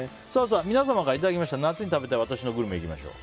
皆様からいただきました夏に食べたい私のグルメいきましょう。